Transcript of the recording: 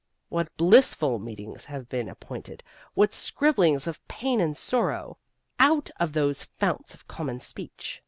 What blissful meetings have been appointed, what scribblings of pain and sorrow, out of those founts of common speech.